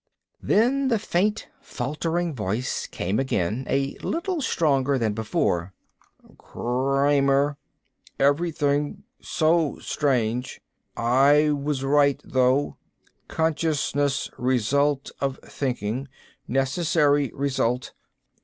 Then the faint, faltering voice came again, a little stronger than before. "Kramer. Everything so strange. I was right, though. Consciousness result of thinking. Necessary result.